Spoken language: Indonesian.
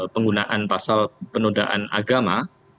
penggunaan pasal penodaan agama